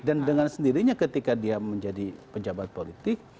dan dengan sendirinya ketika dia menjadi penjabat politik